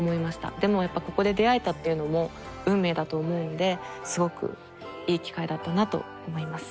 でもやっぱここで出会えたっていうのも運命だと思うんですごくいい機会だったなと思います。